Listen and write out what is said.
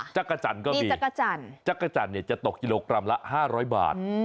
จักรจันทร์ก็มีจักรจันทร์จะตกกิโลกรัมละ๕๐๐บาท